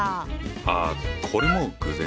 ああこれも偶然。